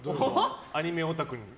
アニメオタクに。